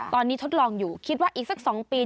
ตอนนี้ทดลองอยู่คิดว่าอีกสัก๒ปี